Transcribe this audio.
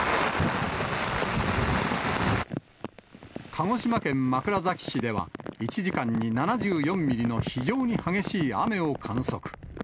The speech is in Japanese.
鹿児島県枕崎市では、１時間に７４ミリの非常に激しい雨を観測。